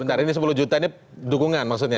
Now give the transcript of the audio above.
sebentar ini sepuluh juta ini dukungan maksudnya